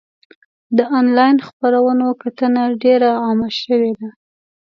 د انلاین خپرونو کتنه ډېر عامه شوې ده.